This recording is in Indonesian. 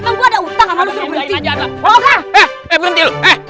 emang gue ada utang kalau lo suruh berhenti